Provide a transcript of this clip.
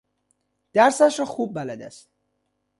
درسش را خوب بلد است.